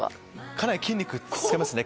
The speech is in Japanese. かなり筋肉使いますね！